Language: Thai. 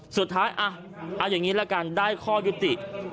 สุดท้ายเอาอย่างนี้ละกันได้ข้อยุติ